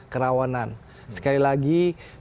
kerawanan sekali lagi